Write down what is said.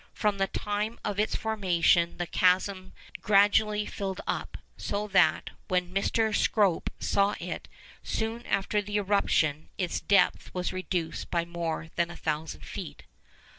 From the time of its formation the chasm gradually filled up; so that, when Mr. Scrope saw it soon after the eruption, its depth was reduced by more than 1,000 feet.